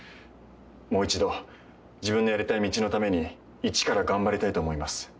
もう一度自分のやりたい道のために一から頑張りたいと思います。